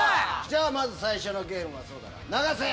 じゃあまず最初のゲームは永瀬。